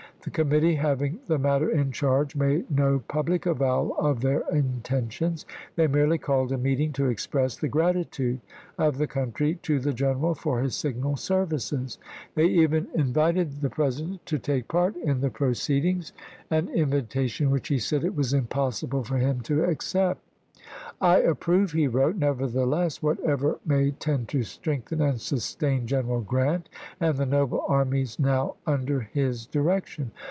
The committee having the matter in charge made no public avowal of their intentions ; they merely called a meeting to express the gratitude of the country to the gen eral for his signal services. They even invited the President to take part in the proceedings, an in THE CLEVELAND CONVENTION 51 vitation which tie said it was impossible for him to chap. ii. accept. "I approve," he wrote, "nevertheless, whatever may tend to strengthen and sustain General Grant and the noble armies now under his direction.